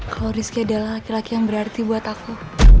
kalau rizky adalah laki laki yang berarti buat aku